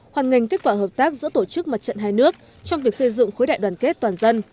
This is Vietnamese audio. hoàn ngành kết quả hợp tác giữa tổ chức mặt trận hai nước trong việc xây dựng khối đại đoàn kết toàn dân